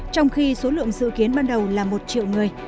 trong khi số lượng dự kiến ban đầu là một triệu người